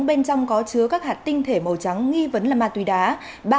bên trong có chứa các hạt tinh thể màu trắng nghi vấn là ma túy đá